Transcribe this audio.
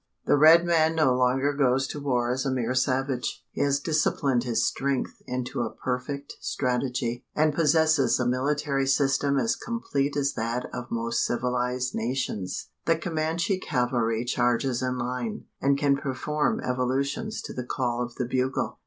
The red man no longer goes to war as a mere savage. He has disciplined his strength into a perfect strategy; and possesses a military system as complete as that of most civilised nations. The Comanche cavalry charges in line, and can perform evolutions to the call of the bugle!